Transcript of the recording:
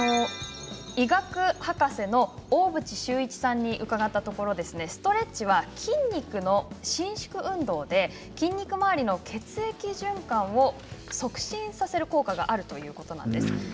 医学博士の大渕修一さんに伺ったところストレッチは筋肉の伸縮運動で筋肉まわりの血液循環を促進させる効果があるということなんです。